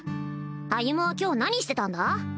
歩は今日何してたんだ？